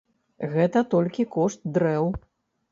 Гэта толькі кошт дрэў.